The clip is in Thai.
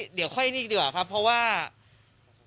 พยานบุคคลมีเป็นประโยชน์กับลุงพลไง